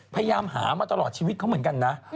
พยายามหามาตลอดชีวิตเขาเหมือนกันนะ